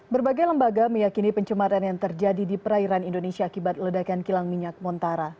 berbagai lembaga meyakini pencemaran yang terjadi di perairan indonesia akibat ledakan kilang minyak montara